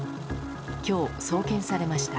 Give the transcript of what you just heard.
今日、送検されました。